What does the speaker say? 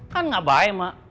kan gak baik emak